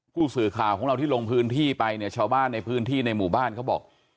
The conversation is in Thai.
ผู้สื่อข่าวของเราที่ลงพื้นที่ไปเนี่ยชาวบ้านในพื้นที่ในหมู่บ้านเขาบอก